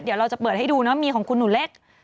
เดี๋ยวเราจะเปิดให้ดูนะมีของคุณหนูเล็ก